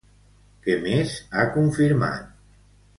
Què més ha confirmat?